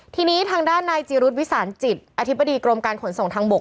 ทีนี้ทางด้านนายจีรุษวิสานจิตอธิบดีกรมการขนส่งทางบก